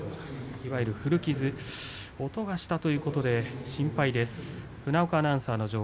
いわゆる古傷音がしたということで心配です。